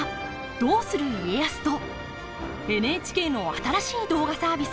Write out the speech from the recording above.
「どうする家康」とＮＨＫの新しい動画サービス